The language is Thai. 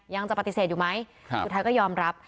ยังจะปฏิเสธอยู่ไหมสุดท้ายก็ยอมรับ